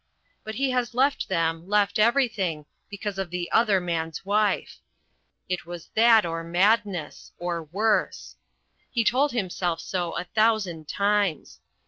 But he has left them, left everything, because of the Other Man's Wife. It was that or madness or worse. He had told himself so a thousand times.